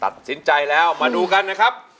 ตัดสินใจแล้วมาดูกันนะครับ